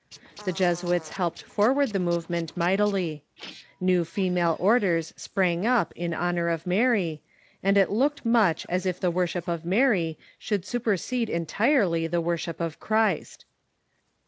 The Jesuits helped forward the movement mightily. New female orders sprang up in honor of Mary, and it looked much as if the worship of Mary should super sede entirely the Avorship of Christ.